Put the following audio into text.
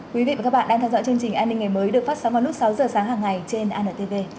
quý vị và các bạn đang theo dõi chương trình an ninh ngày mới được phát sóng vào lúc sáu giờ sáng hàng ngày trên antv